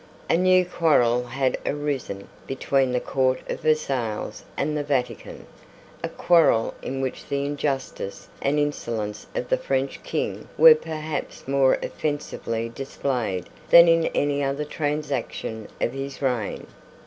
A new quarrel had arisen between the Court of Versailles and the Vatican, a quarrel in which the injustice and insolence of the French King were perhaps more offensively displayed than in any other transaction of his reign.